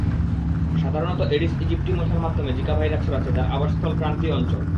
সাধারণত Aedes aegypti মশার মাধ্যমে জিকা ভাইরাস ছড়াচ্ছে, যার আবাসস্থল ক্রান্তীয় অঞ্চল।